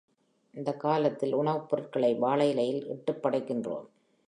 இந்தக் காலத்தில் உணவுப் பொருள்களை வாழை இலையில் இட்டுப் படைக்கின்றோம்.